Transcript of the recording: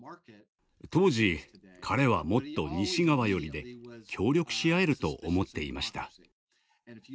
当時、彼はもっと西側寄りで協力し合えると思っていました。